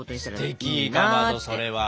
すてきかまどそれは。